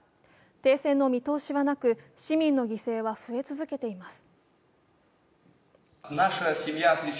停戦の見通しはなく、市民の犠牲は増え続けています。